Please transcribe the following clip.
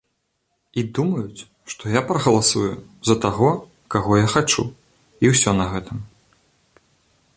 І думаюць, што я прагаласую за таго, каго я хачу, і ўсё на гэтым.